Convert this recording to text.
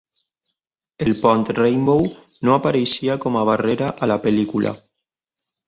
El pont Rainbow no apareixia com a barrera a la pel·lícula.